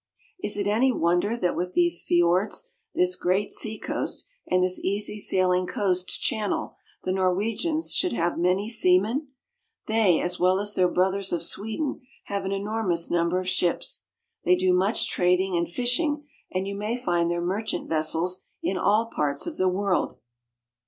Is it any wonder that with these fiords, this great seacoast, and this easy sailing coast chan nel, the Norwegians should have many seamen ? They, as well as their brothers of Sweden, have an enormous number of ships. They do much trading and fishing, and you may find their merchant vessels in all parts of the world.